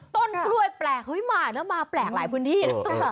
ต้นกล้วยแปลกมาแล้วมาแปลกหลายพื้นที่